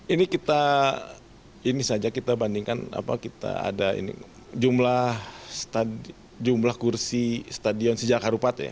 ini kita ini saja kita bandingkan kita ada jumlah kursi stadion sejak harupat ya